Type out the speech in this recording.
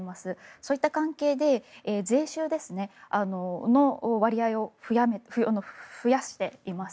そういった関係で税収の割合を増やしています。